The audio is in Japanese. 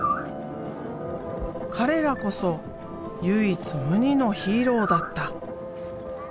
彼らこそ唯一無二のヒーローだった。